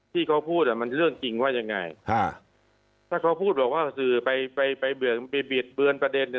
ที่เขาพูดมันเรื่องจริงว่ายังไงถ้าเขาพูดบอกว่าสื่อไปบิดเบือนประเด็น